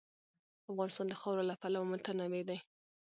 افغانستان د خاوره له پلوه متنوع دی.